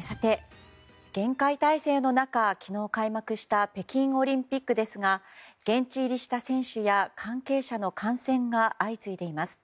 さて厳戒態勢の中昨日、開幕した北京オリンピックですが現地入りした選手や関係者の感染が相次いでいます。